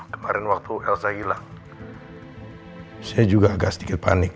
kemarin waktu elsa hilang saya juga agak sedikit panik